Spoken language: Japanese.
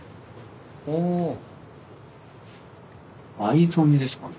藍染めですかね。